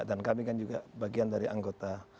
dan kami kan juga bagian dari anggota